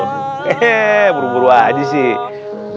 hehehe buru buru aja sih